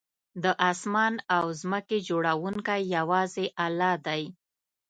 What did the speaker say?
د آسمان او ځمکې جوړونکی یوازې الله دی